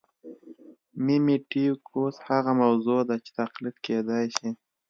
میمیټیکوس هغه موضوع ده چې تقلید کېدای شي